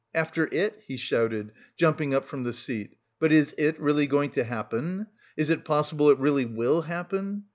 "After It," he shouted, jumping up from the seat, "but is It really going to happen? Is it possible it really will happen?"